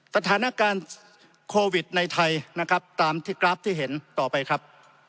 สถานการณ์โควิดในไทยนะครับตามที่กราฟที่เห็นต่อไปครับ